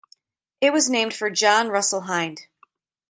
It was named for John Russell Hind.